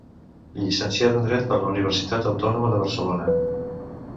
Llicenciat en Dret per la Universitat Autònoma de Barcelona.